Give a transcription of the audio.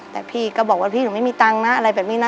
แต่พี่ก็บอกว่าพี่หนูไม่มีตังค์นะอะไรแบบนี้นะ